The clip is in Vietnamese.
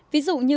ví dụ như